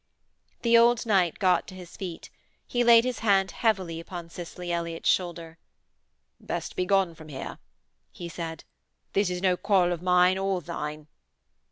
The old knight got to his feet. He laid his hand heavily upon Cicely Elliott's shoulder. 'Best begone from here,' he said, 'this is no quarrel of mine or thine.'